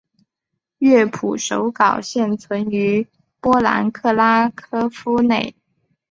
乐谱手稿现存于波兰克拉科夫内。